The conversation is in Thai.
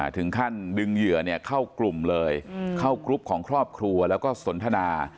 ถึงขั้นดึงเหยื่อเข้ากลุ่มเลยเข้ากรุ๊ปของครอบครัวแล้วก็สนทนา